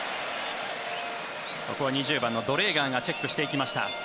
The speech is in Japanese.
ここは２０番のドレーガーがチェックをしていきました。